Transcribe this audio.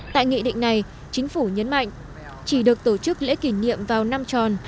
tại nghị định này chính phủ nhấn mạnh chỉ được tổ chức lễ kỷ niệm vào năm tròn